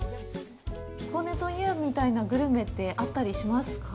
彦根といえばみたいなグルメってあったりしますか？